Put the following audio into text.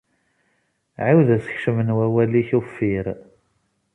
Ԑiwed asekcem n wawal-ik uffir.